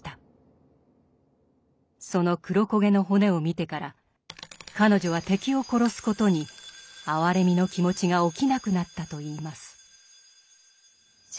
その黒焦げの骨を見てから彼女は敵を殺すことに哀れみの気持ちが起きなくなったといいます。